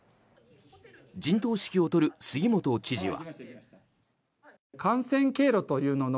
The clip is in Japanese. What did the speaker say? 陣頭指揮を執る杉本知事は。